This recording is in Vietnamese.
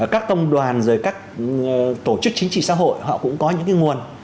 các tông đoàn rồi các tổ chức chính trị xã hội họ cũng có những cái nguồn